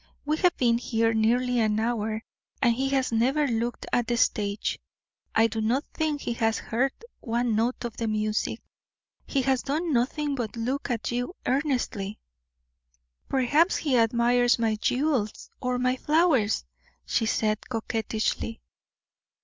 "We have been here nearly an hour, and he has never looked at the stage I do not think he has heard one note of the music; he has done nothing but look at you earnestly." "Perhaps he admires my jewels or my flowers," she said, coquettishly.